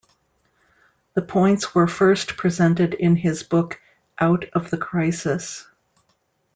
The points were first presented in his book Out of the Crisis.